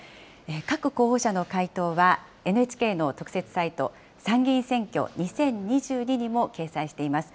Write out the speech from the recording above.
各候補者の回答は、ＮＨＫの特設サイト、参議院選挙２０２２にも掲載しています。